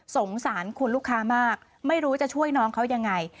สงสารคุณลูกค้ามากไม่รู้จะช่วยน้องเขายังไง